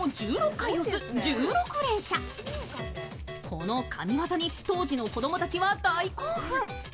この神技に当時の子供たちは大興奮。